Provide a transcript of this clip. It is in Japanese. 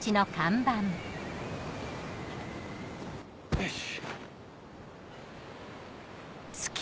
よし。